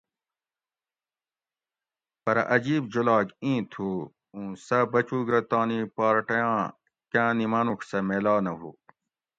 پرہ عجیب جولاگ ایں تھُو اُوں سہۤ بچوگ رہ تانی پارٹیاں کاں نی ماۤنوڄ سہۤ میلا نہ ہُو